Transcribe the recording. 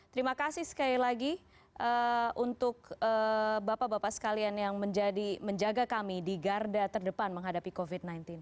terima kasih sekali lagi untuk bapak bapak sekalian yang menjadi menjaga kami di garda terdepan menghadapi covid sembilan belas